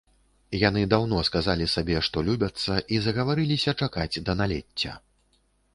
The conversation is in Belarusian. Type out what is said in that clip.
Яны даўно сказалі сабе, што любяцца, і згаварыліся чакаць да налецця.